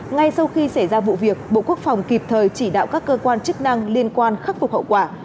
ngay sau khi xảy ra vụ việc bộ quốc phòng kịp thời chỉ đạo các cơ quan chức năng liên quan khắc phục hậu quả